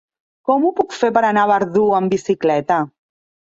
Com ho puc fer per anar a Verdú amb bicicleta?